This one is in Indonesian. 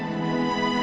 kodok yang dipajar